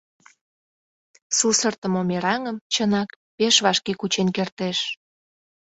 Сусыртымо мераҥым, чынак, пеш вашке кучен кертеш.